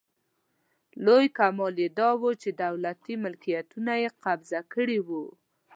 لوی کمال یې داوو چې دولتي ملکیتونه یې قبضه کړي وو.